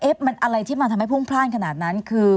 มันอะไรที่มันทำให้พุ่งพลาดขนาดนั้นคือ